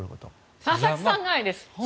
佐々木さんはないです